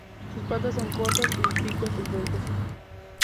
Sus patas son cortas y sus picos esbeltos.